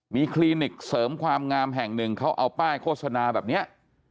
มีคลินิกเสริมความงามแห่งหนึ่งเขาเอาป้ายโฆษณาแบบนี้